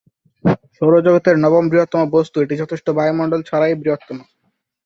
সৌরজগতের নবম বৃহত্তম বস্তু, এটি যথেষ্ট বায়ুমণ্ডল ছাড়াই বৃহত্তম।